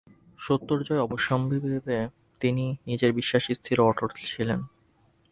সত্যের জয় অবশ্যম্ভাবী জেনে তিনি নিজের বিশ্বাসে স্থির ও অটল ছিলেন।